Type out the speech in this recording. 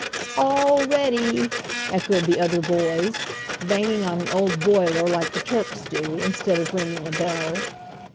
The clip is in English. "All ready!" echoed the other boys, banging on an old boiler like the Turks do, instead of ringing a bell.